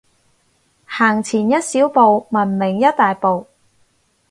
行前一小步，文明一大步